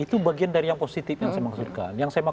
itu bagian dari yang positif yang saya maksudkan